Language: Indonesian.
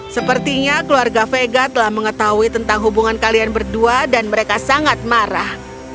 sepertinya keluarga vega telah mengetahui tentang hubungan kalian berdua dan mereka sangat marah